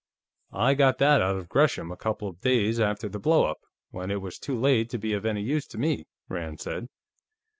"I got that out of Gresham, a couple of days after the blow up, when it was too late to be of any use to me," Rand said.